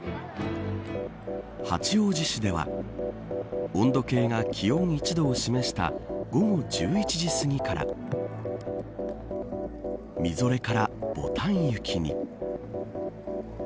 八王子市では温度計が気温１度を示した午後１１時すぎからみぞれから、ぼたん雪に。